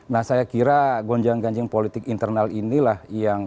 nah saya kira gonjang ganjing politik internal inilah yang